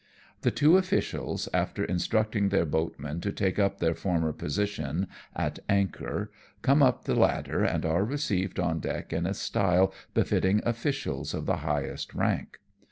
The two officials, after iastructing their boatmen to take up their former position at anchor, come up the ladder, and are received on deck in a style befitting officials of the highest rank.